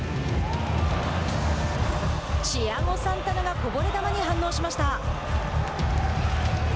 チアゴ・サンタナがこぼれ球に反応しました。